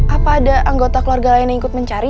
apa ada anggota keluarga lain yang ikut mencari